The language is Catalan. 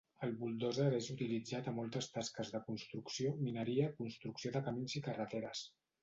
El buldòzer és utilitzat a moltes tasques de construcció, mineria, construcció de camins i carreteres.